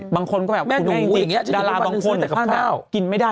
บางคนก็แบบคุณุงอีกดาราบางคนกินไม่ได้